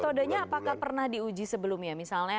metodanya apakah pernah diuji sebelumnya